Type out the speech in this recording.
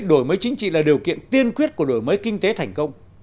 đổi mới chính trị là điều kiện tiên quyết của đổi mới kinh tế thành công